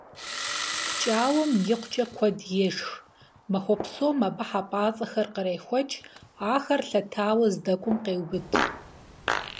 ПкӀауэм икъукӀэ куэд ешх, махуэ псом абы хьэпӀацӀэхэр кърехуэкӀ, ахэр лъэтауэ здэкӀуэм къеубыд.